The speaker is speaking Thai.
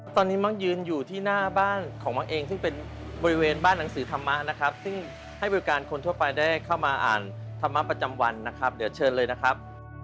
ตอนนี้มักยืนอยู่ที่หน้าบ้านของมักเองซึ่งเป็นบริเวณบ้านหนังสือธรรมะนะครับซึ่งให้บริการคนทั่วไปได้เข้ามาอ่านธรรมะประจำวันนะครับเดี๋ยวเชิญเลยนะครับ